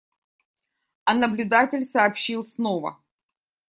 А наблюдатель сообщил снова.